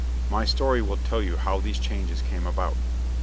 My story will tell you how these changes came about.